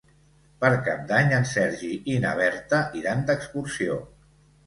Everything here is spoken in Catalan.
Per Cap d'Any en Sergi i na Berta iran d'excursió.